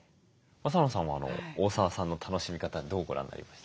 和佐野さんは大澤さんの楽しみ方どうご覧になりました？